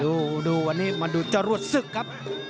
ดูวันนี้มันดูจะรวดศึกครับ